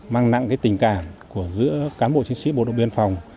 mang nặng cái tình cảm của giữa cán bộ chiến sĩ bộ đội biên phòng